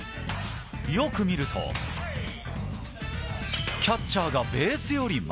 よく見るとキャッチャーがベースより前。